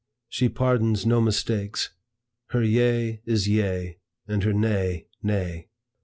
She pardons no mistakes. Her yea is yea, and her nay, nay.